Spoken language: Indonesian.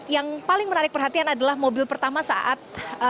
yang paling menarik perhatian adalah mobil pertama saat